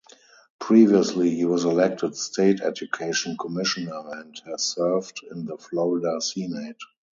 Previously he was elected State Education Commissioner, and has served in the Florida Senate.